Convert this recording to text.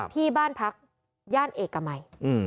ที่บ้านพักย่านเอกมัย